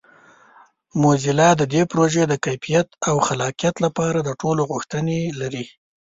موزیلا د دې پروژې د کیفیت او خلاقیت لپاره د ټولو غوښتنې لري.